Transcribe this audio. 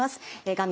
画面